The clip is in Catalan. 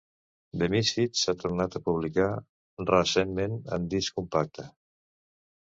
"The Misfit" s'ha tornat a publicar recentment en disc compacte.